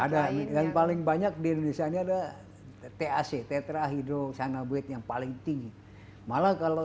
ada yang paling banyak di indonesia ada tetra hidrosanaboid yang paling tinggi malah kalau